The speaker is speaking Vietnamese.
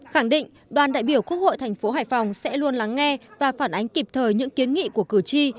khẳng định đoàn đại biểu quốc hội thành phố hải phòng sẽ luôn lắng nghe và phản ánh kịp thời những kiến nghị của cử tri